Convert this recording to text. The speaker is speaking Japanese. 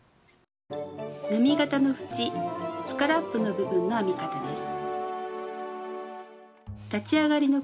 波形の縁スカラップの部分の編み方です。